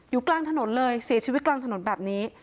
กลางถนนเลยเสียชีวิตกลางถนนแบบนี้